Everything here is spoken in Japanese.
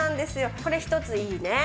これ一ついいね。